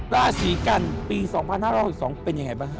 ราศีกรรมปี๒๕๑๒เป็นอย่างไรบ้างครับ